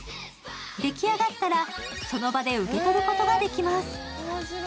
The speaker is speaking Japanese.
出来上がったら、その場で受け取ることができます。